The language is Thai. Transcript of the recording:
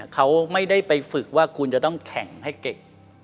เขาไม่ได้ไปฝึกว่าคุณจะต้องแข่งให้เก่ง